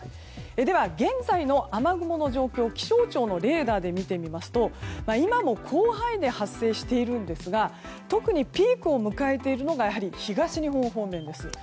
では、現在の雨雲の状況を気象庁のレーダーで見てみますと今も広範囲で発生しているんですが特にピークを迎えているのが東日本方面です。